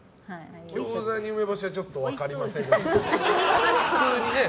ギョーザに梅干しはちょっと分かりませんけど。